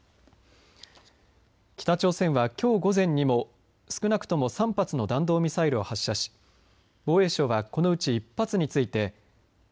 北朝鮮は、きょう午前にも少なくとも３発の弾道ミサイルを発射し防衛省は、このうち１発についてＩＣＢМ